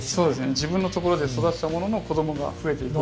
自分のところで育てたものの子供がふえていくっていう。